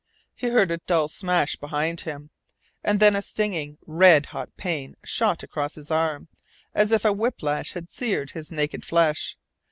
He heard a dull smash behind him, and then a stinging, red hot pain shot across his arm, as if a whiplash had seared his naked flesh.